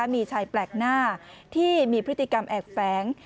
มีชายแปลกหน้าที่มีพฤติกรรมแอบแฝง